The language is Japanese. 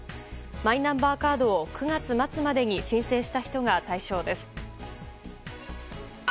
マイナンバーカードを９月末までに申請した人が対象です。